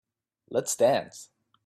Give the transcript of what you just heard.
Let's dance.